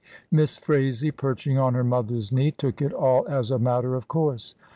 Miss Phraisie, perching on her mother's knee, took it all as a matter of course.